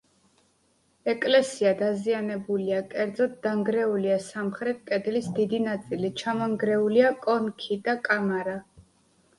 ეკლესია დაზიანებულია, კერძოდ დანგრეულია სამხრეთ კედლის დიდი ნაწილი, ჩამონგრეულია კონქი და კამარა.